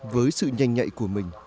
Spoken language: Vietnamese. với sự nhanh nhạy của mình